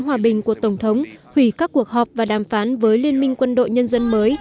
hòa bình của tổng thống hủy các cuộc họp và đàm phán với liên minh quân đội nhân dân mới